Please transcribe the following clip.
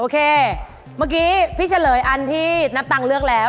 เมื่อกี้พี่เฉลยอันที่นับตังค์เลือกแล้ว